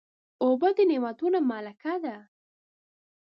اوبه د نعمتونو ملکه ده.